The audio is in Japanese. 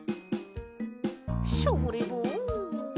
ショボレボン。